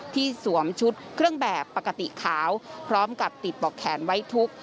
สวมชุดเครื่องแบบปกติขาวพร้อมกับติดบอกแขนไว้ทุก